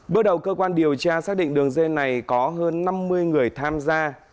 bước đầu cơ quan điều tra xác định đường dây này có hơn năm mươi người tham gia